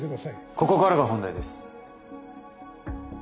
ここからが本題です。